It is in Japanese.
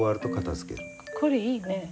これいいね。